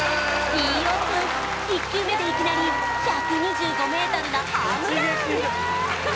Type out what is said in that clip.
飯尾さん１球目でいきなり１２５ｍのホームラン！